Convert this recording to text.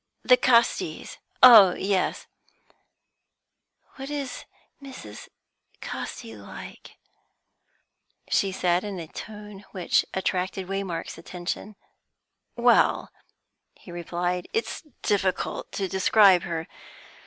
"The Castis? Oh yes." "What is Mrs. Casti like?" she said, in a tone which attracted Waymark's attention. "Well," he replied, "it's difficult to describe her.